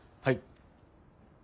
はい。